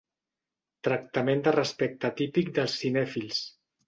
Tractament de respecte típic dels cinèfils.